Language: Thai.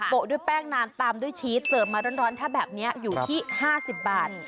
ด้วยแป้งนานตามด้วยชีสเสิร์ฟมาร้อนถ้าแบบนี้อยู่ที่๕๐บาท